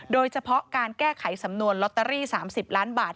โดยเฉพาะการแก้ไขสำนวนลอตเตอรี่๓๐ล้านบาท